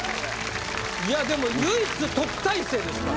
いやでも唯一特待生ですから。